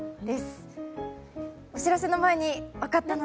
お知らせの前に分かった方？